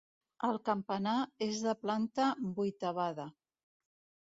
El campanar és de planta vuitavada.